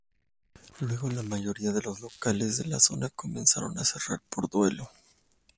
Luego la mayoría de los locales de la zona comenzaron a cerrar por duelo.